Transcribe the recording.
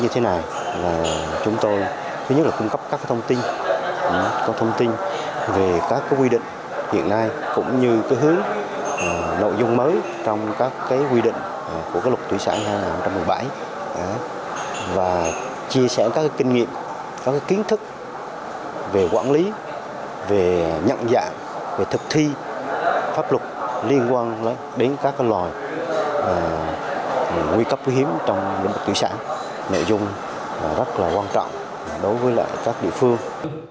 thông tin về các quy định hiện nay cũng như hướng nội dung mới trong các quy định của luật thủy sản hai nghìn một mươi bảy và chia sẻ các kinh nghiệm các kiến thức về quản lý về nhận dạng về thực thi pháp luật liên quan đến các loài nguy cấp quý hiếm trong lĩnh vực thủy sản nội dung rất là quan trọng đối với các địa phương